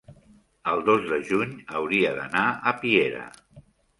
el dos de juny hauria d'anar a Piera.